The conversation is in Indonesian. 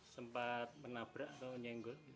sempat menabrak atau nyenggol